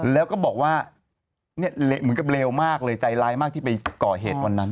แล้วก็บอกว่าเนี่ยเหมือนกับเลวมากเลยใจร้ายมากที่ไปก่อเหตุวันนั้น